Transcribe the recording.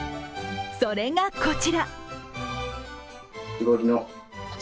それがこちら。